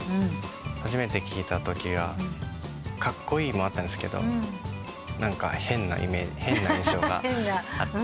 初めて聴いたときはカッコイイもあったんですけど変な印象があって。